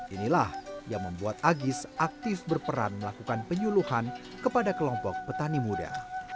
inilah yang membuat agis aktif berperan melakukan penyuluhan kepada kelompok petani muda